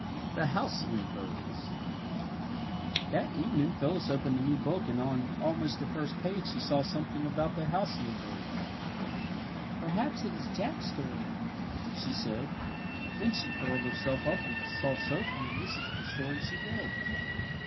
THE HALCYON BIRDS That evening Phyllis opened a new book and on almost the first page she saw something about the halcyon birds. "Perhaps it is Jack's story," she said. Then she curled herself up on the soft sofa and this is the story she read.